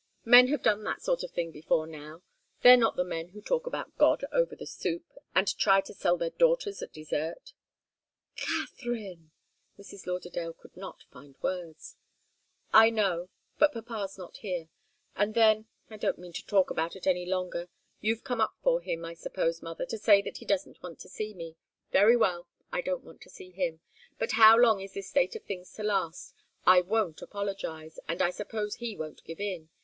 Men have done that sort of thing before now they're not the men who talk about God over the soup, and try to sell their daughters at dessert!" "Katharine " Mrs. Lauderdale could not find words. "I know but papa's not here and then, I don't mean to talk about it any longer. You've come up from him, I suppose, mother, to say that he doesn't want to see me. Very well. I don't want to see him. But how long is this state of things to last? I won't apologize, and I suppose he won't give in.